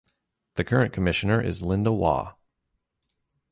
The current Commissioner is Linda Waugh.